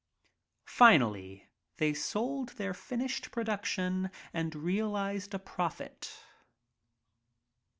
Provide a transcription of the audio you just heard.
Finally, they sold their finished production and realized a profit.